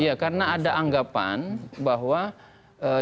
iya karena ada anggapan bahwa yang paling ideal itu